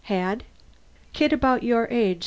"Had?" "Kid about your age.